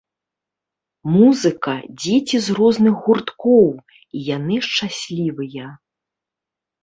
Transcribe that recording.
Музыка, дзеці з розных гурткоў, і яны шчаслівыя.